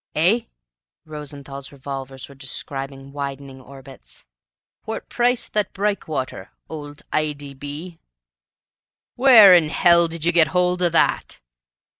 "Eh?" Rosenthall's revolvers were describing widening orbits. "Whort price thet brikewater old I.D.B.?" "Where in hell did you get hold o' that?"